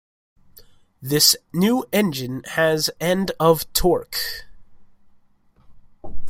This new engine has and of torque.